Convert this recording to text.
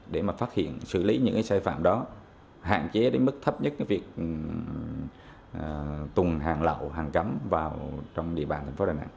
để phát hiện xử lý những sai phạm đó hạn chế đến mức thấp nhất việc tùng hàng lậu hàng cấm vào địa bàn thành phố đà nẵng